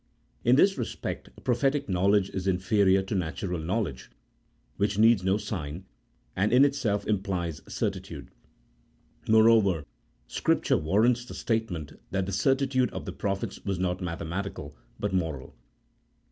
In this respect, prophetic knowledge is inferior to natural knowledge, which needs no sign, and in itself implies certi tude. Moreover, Scripture warrants the statement that the certitude of the prophets was not mathematical, but moral.